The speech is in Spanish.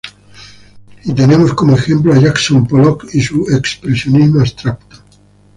Y tenemos como ejemplo a Jackson Pollock y su "Expresionismo abstracto".